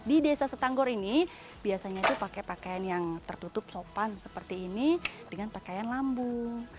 di desa setanggor ini biasanya itu pakai pakaian yang tertutup sopan seperti ini dengan pakaian lambung